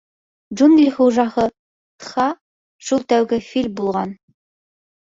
— Джунгли хужаһы Тһа — шул тәүге фил булған.